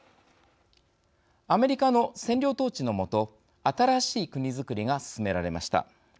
アメリカの占領統治の下新しい国づくりが進められました。